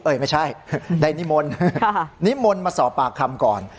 ไม่ใช่ได้นิมนต์นิมนต์มาสอบปากคำก่อน